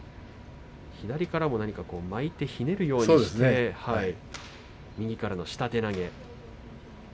左からも巻いてひねるようにして右からの下手投げ。